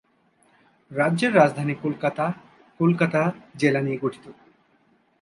রাজ্যের রাজধানী কলকাতা কলকাতা জেলা নিয়ে গঠিত।